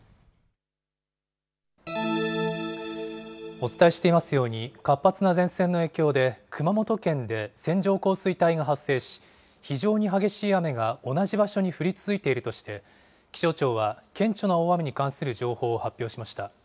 お伝えしていますように、活発な前線の影響で熊本県で線状降水帯が発生し、非常に激しい雨が同じ場所に降り続いているとして、気象庁は顕著な大雨に関する情報を発表しました。